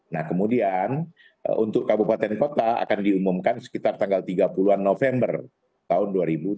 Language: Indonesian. nah kemudian untuk kabupaten kota akan diumumkan sekitar tanggal tiga puluh an november tahun dua ribu dua puluh